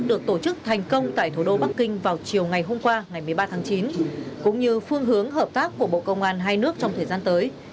được tổ chức thành công tại thủ đô bắc kinh vào chiều ngày hôm qua ngày một mươi ba tháng chín cũng như phương hướng hợp tác của bộ công an hai nước trong thời gian tới